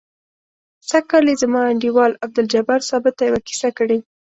سږ کال یې زما انډیوال عبدالجبار ثابت ته یوه کیسه کړې.